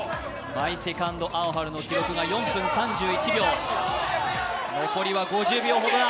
「マイ・セカンド・アオハル」の記録が４分３１秒、残りは５０秒ほどだ！